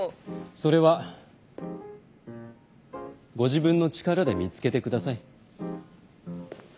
それはご自分の力で見つけてください。